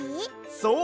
そう。